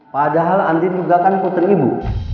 padahal andi juga kan putri ibu